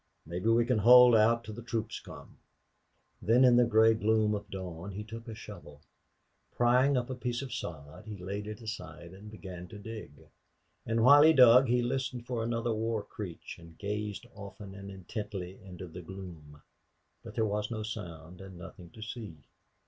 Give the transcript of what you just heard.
Mebbe we can hold out till the troops come." Then in the gray gloom of dawn he took a shovel; prying up a piece of sod, he laid it aside and began to dig. And while he dug he listened for another war screech and gazed often and intently into the gloom. But there was no sound and nothing to see.